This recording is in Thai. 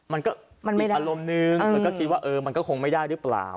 มันก็มันมีอารมณ์นึงเธอก็คิดว่าเออมันก็คงไม่ได้หรือเปล่า